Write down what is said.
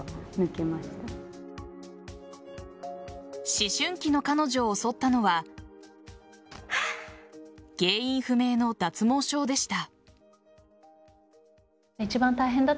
思春期の彼女を襲ったのは原因不明の脱毛症でした。